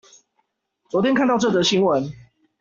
昨天看到這則新聞